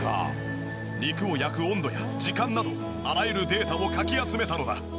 肉を焼く温度や時間などあらゆるデータをかき集めたのだ！